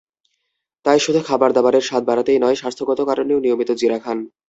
তাই শুধু খাবারদাবারের স্বাদ বাড়াতেই নয়, স্বাস্থ্যগত কারণেও নিয়মিত জিরা খান।